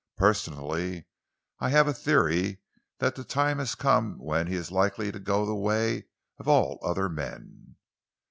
Personally, I have a theory that the time has come when he is likely to go the way of all other men."